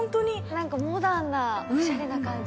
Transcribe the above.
モダンな、おしゃれな感じ。